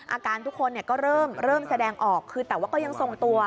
อาการทุกคนก็เริ่มแสดงออกคือแต่ว่าก็ยังทรงตัว